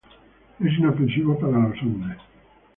Es inofensivo para los hombres.